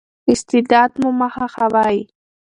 استعداد مو مه خښوئ.